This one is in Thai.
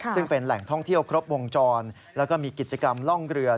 ซึ่งเป็นแหล่งท่องเที่ยวครบวงจรแล้วก็มีกิจกรรมล่องเรือ